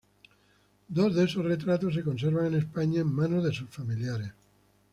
Dos de esos retratos se conservan en España en manos de sus familiares.